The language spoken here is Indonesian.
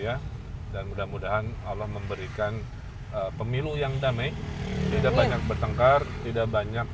ya dan mudah mudahan allah memberikan pemilu yang damai tidak banyak bertengkar tidak banyak